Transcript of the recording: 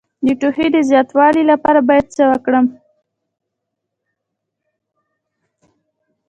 د ټوخي د زیاتوالي لپاره باید څه وکړم؟